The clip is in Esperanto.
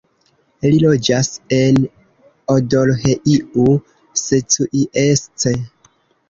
Li loĝas en Odorheiu Secuiesc.